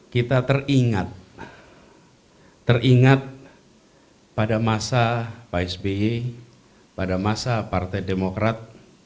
kita teringat teringat pada masa pak sby pada masa partai demokrat